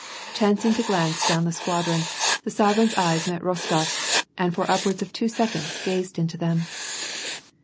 Chancing to glance down the squadron, the sovereign's eyes met Rostof 's, and for upwards of two seconds gazed into them.